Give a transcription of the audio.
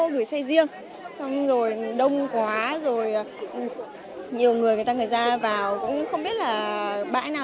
gửi xe riêng xong rồi đông quá rồi nhiều người người ta người ra vào cũng không biết là bãi nào